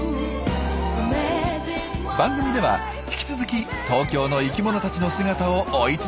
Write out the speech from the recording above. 番組では引き続き東京の生きものたちの姿を追い続けていきます。